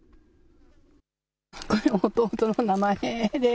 これ弟の名前で。